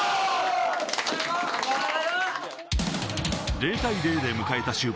０対０で迎えた終盤。